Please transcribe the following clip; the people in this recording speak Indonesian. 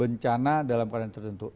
bencana dalam keadaan tertentu